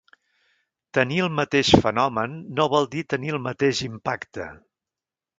Tenir el mateix fenomen no vol dir tenir el mateix impacte.